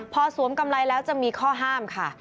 พอสวมกำไรแล้วจะมีข้อห้ามค่ะ